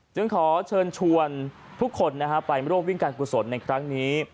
จึงขอเชิญชวนทุกคนไปร่วมวิ่งการกุศลในครั้งนี้